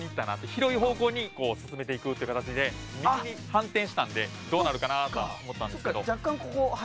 広い方向に進めていくっていう形で右に反転したんでどうなるかなと思ったんですけど。